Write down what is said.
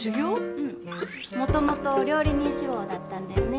うん元々料理人志望だったんだよね